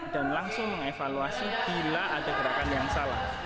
langsung mengevaluasi bila ada gerakan yang salah